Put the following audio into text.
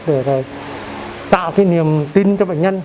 để tạo cái niềm tin cho bệnh nhân